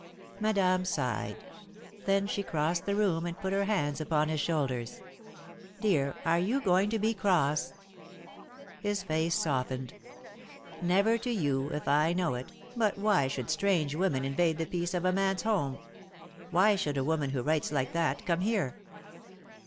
Madame sighed. Then she crossed the room, and put her hands upon his shoulders. "Dear, are you going to be cross?" His face softened. "Never to you, if I know it, but why should strange women invade the peace of a man's home? Why should a woman who writes like that come here?"